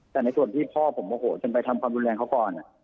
แต่ในส่วนที่พ่อผมโมโหจนไปทำความรุนแรงเขาก่อน